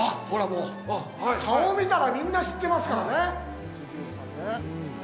ほら、もう、顔見たらみんな知ってますからね。